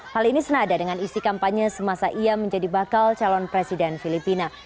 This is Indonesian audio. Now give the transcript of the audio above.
hal ini senada dengan isi kampanye semasa ia menjadi bakal calon presiden filipina